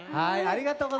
ありがとう。